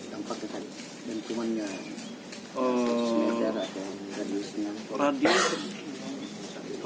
dampaknya dari bentumannya sejarah dari radio senyawa